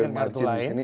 dibandingkan kartu lain